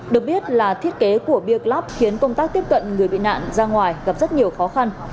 được biết là thiết kế của ber club khiến công tác tiếp cận người bị nạn ra ngoài gặp rất nhiều khó khăn